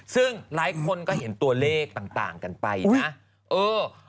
ซึ่งหลายคนก็เห็นตัวเลขต่างกันไปนะเออ